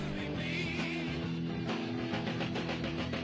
はい。